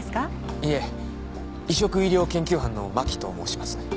いえ移植医療研究班の真木と申します。